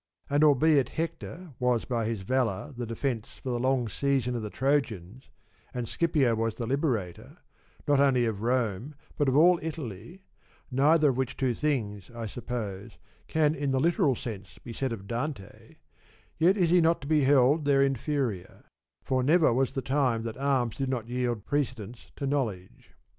And albeit Hector was by his valour the defence for long season of the Trojans, and Scipio was the liberator, not only of Rome, but of all Italy (neither of which two things, I suppose, can in the literal sense be said of Dante), yet is he not to be held their inferior ; for never was the time that arms did not yield precedence to know ledge.